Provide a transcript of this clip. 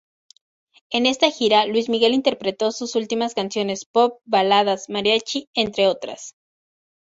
En esta gira Luis Miguel interpretó sus últimas canciones pop, baladas, mariachi, entre otras.